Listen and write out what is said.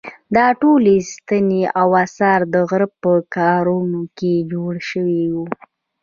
دا ټولې ستنې او اثار د غره په ګارو کې جوړ شوي وو.